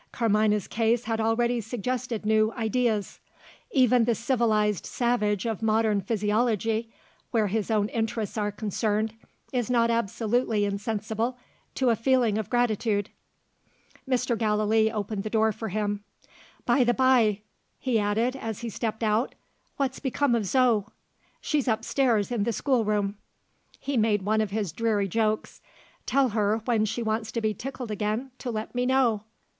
Carmina's case had already suggested new ideas. Even the civilised savage of modern physiology (where his own interests are concerned) is not absolutely insensible to a feeling of gratitude. Mr. Gallilee opened the door for him. "By the bye," he added, as he stepped out, "what's become of Zo?" "She's upstairs, in the schoolroom." He made one of his dreary jokes. "Tell her, when she wants to be tickled again, to let me know.